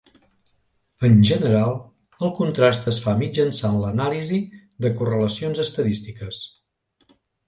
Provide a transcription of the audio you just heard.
En general, el contrast es fa mitjançant l'anàlisi de correlacions estadístiques.